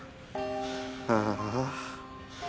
ああ。